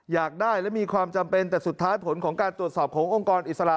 อยากได้และมีความจำเป็นแต่สุดท้ายผลของการตรวจสอบขององค์กรอิสระ